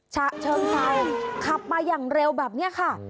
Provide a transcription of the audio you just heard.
ฉะเชิงเซาขับมาอย่างเร็วแบบนี้ค่ะ